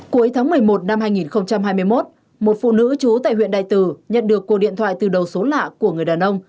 cuối tháng một mươi một năm hai nghìn hai mươi một một phụ nữ trú tại huyện đại từ nhận được cuộc điện thoại từ đầu số lạ của người đàn ông